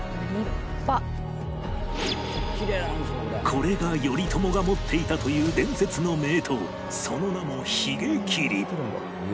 これが頼朝が持っていたという伝説の名刀その名も髭切